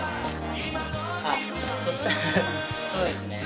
あっそしたらそうですね。